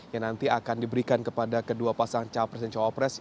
yang nanti akan diberikan kepada kedua pasang capres dan cowopres